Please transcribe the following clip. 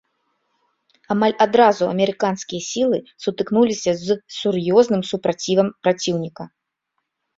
Амаль адразу амерыканскія сілы сутыкнуліся з сур'ёзным супрацівам праціўніка.